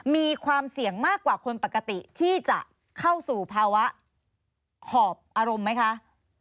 มีความเสี่ยงมากกว่าคนปกติที่จะเข้าสู่ภาวะหอบอารมณ์ไหมคะ